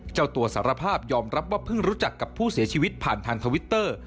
เจ้าตัวสารภาพยอมรับว่าเพิ่งรู้จักกับผู้เสียชีวิตผ่านทางทวิตเตอร์